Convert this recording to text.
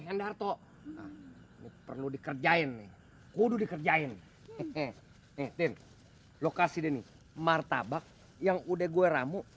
di darto perlu dikerjain kudu dikerjain hehehe ngetik lokasi deni martabak yang udah gue ramu